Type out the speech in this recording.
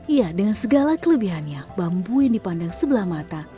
iya dengan segala kelebihannya bambu yang dipandang sebelah mata